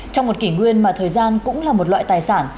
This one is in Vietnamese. trong một kỷ nguyên mà thời gian cũng là một loại tài sản